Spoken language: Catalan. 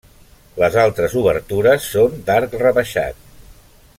Les altres obertures són d’arc rebaixat.